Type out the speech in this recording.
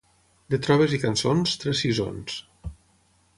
De trobes i cançons, tres sisons.